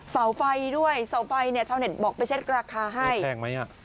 เสาไฟด้วยเช่าเน็ตบอกไปเช็ดราคาให้แพงไหม